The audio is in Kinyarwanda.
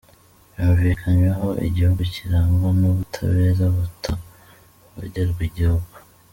yumvikanyweho; igihugu kirangwa n’ubutabera butavogerwa; igihugu